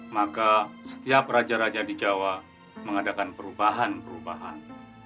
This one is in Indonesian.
maka setiap raja raja di jawa mengadakan perubahan perubahan